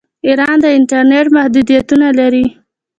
ایران د انټرنیټ محدودیتونه لري.